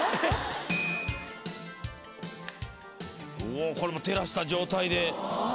おおこれも照らした状態で。